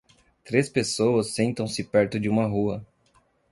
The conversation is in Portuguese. Três pessoas sentam-se perto de uma rua.